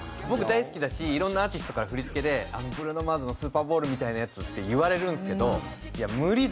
僕大好きだしいろんなアーティストから振り付けでブルーノ・マーズのスーパーボウルみたいなやつって言われるんですけど。